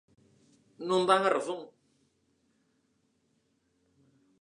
¡Non dan a razón!